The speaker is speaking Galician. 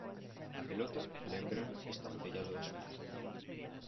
A pelota, lembran, está no tellado da Xunta.